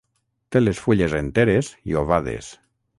Té les fulles enteres i ovades.